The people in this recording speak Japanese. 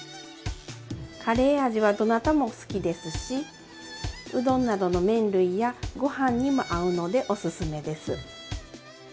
カレー味はどなたも好きですしうどんなどの麺類やごはんにも合うのでおすすめです。